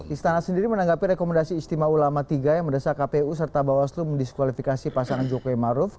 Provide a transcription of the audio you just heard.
istana sendiri menanggapi rekomendasi istimewa ulama tiga yang mendesak kpu serta bawaslu mendiskualifikasi pasangan jokowi maruf